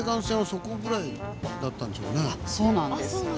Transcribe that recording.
そうなんです。